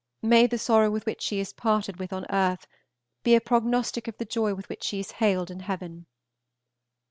May the sorrow with which she is parted with on earth be a prognostic of the joy with which she is hailed in heaven!